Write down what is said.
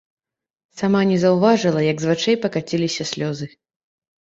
Сама не заўважыла, як з вачэй пакаціліся слёзы.